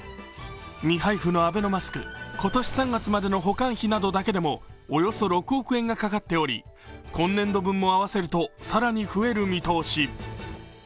未配布のアベノマスク、今年３月までの保管費などだけでもおよそ６億円がかかっており今年度分も合わせると更に増える見通し。